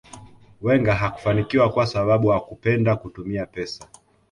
Wenger hakufanikiwa kwa sababu hakupenda kutumia pesa